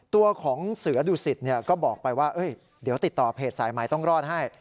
ตัวของเสือดุสิตก็บอกไปว่าเดี๋ยวติดต่อเพจสายหมายต้องรอดให้